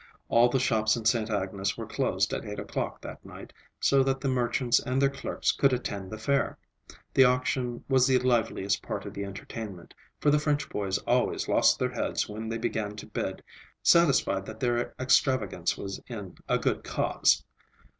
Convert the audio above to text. All the shops in Sainte Agnes were closed at eight o'clock that night, so that the merchants and their clerks could attend the fair. The auction was the liveliest part of the entertainment, for the French boys always lost their heads when they began to bid, satisfied that their extravagance was in a good cause.